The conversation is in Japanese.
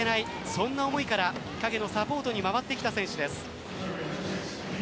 そんな思いから影のサポートに回ってきた選手です。